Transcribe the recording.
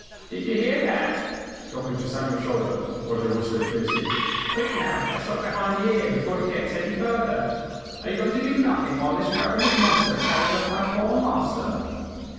"Did you hear that?" Dropping to Samuel's shoulder, Roger whispered fiercely. "Quick now, a shot behind the ear, before it gets any further. Are you going to do nothing while this ravenous monster carries off my poor Master?"